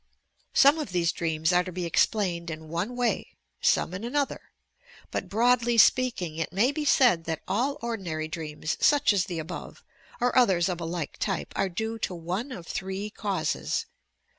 Some of these dreams are to be explained in one way, some in another; but broadly speaking, it may be said that all ordinary dreams, such as the above, or others of a like tj pe, are due to one of three causes: 1.